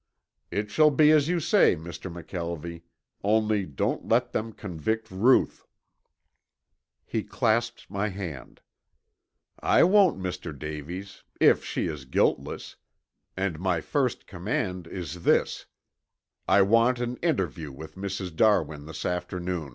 "It shall be as you say, Mr. McKelvie, only don't let them convict Ruth." He clasped my hand. "I won't, Mr. Davies, if she is guiltless, and my first command is this: I want an interview with Mrs. Darwin this afternoon."